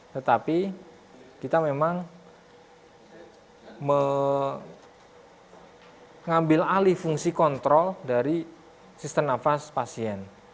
tetapi kita memang mengambil alih fungsi kontrol dari sistem nafas pasien